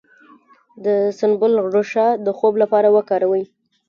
د سنبل ریښه د خوب لپاره وکاروئ